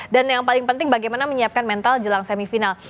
dan yang paling penting bagaimana menyiapkan mental jelang semifinal